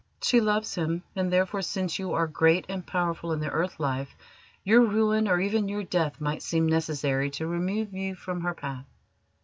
She loves him, and therefore, since you are great and powerful in the earth life, your ruin, or even your death, might seem necessary to remove you from her path."